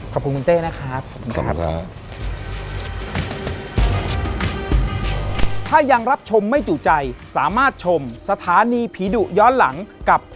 ขอบคุณคุณเต้นะครับขอบคุณครับค่ะขอบคุณครับ